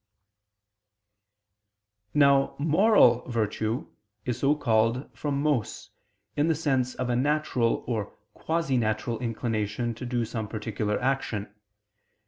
_ Now moral virtue is so called from mos in the sense of a natural or quasi natural inclination to do some particular action.